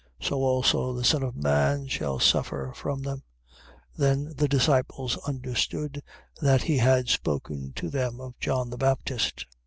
So also the Son of man shall suffer from them. 17:13. Then the disciples understood, that he had spoken to them of John the Baptist.